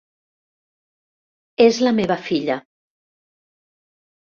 És la meva filla.